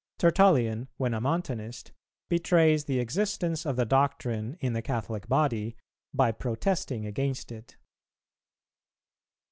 Tertullian, when a Montanist, betrays the existence of the doctrine in the Catholic body by protesting against it.